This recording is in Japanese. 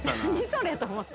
それと思って。